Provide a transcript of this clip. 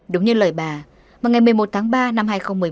đúng như lời bà vào ngày một mươi một tháng ba năm hai nghìn một mươi